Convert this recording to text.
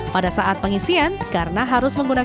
pada saat pengisian karena harus menggunakan